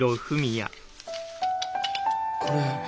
これ。